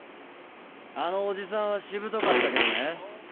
あのおじさんはしぶとかったけどね。